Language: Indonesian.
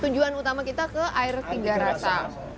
tujuan utama kita ke air tiga rasa